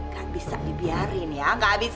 gak bisa dibiarin ya gak bisa